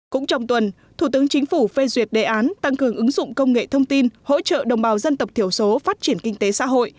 cũng trong tuần thủ tướng chính phủ phê duyệt đề án tăng cường ứng dụng công nghệ thông tin hỗ trợ đồng bào dân tộc thiểu số phát triển kinh tế xã hội